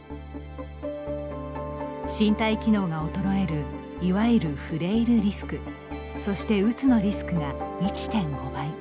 身体機能が衰えるいわゆるフレイルリスクそして、うつのリスクが１．５倍。